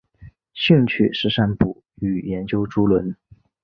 兴趣是散步与研究竹轮。